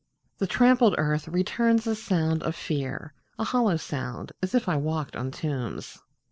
The trampled earth returns a sound of fear A hollow sound, as if I walked on tombs!